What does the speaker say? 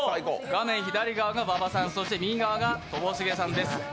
画面左側が馬場さん、右側がともしげさんです。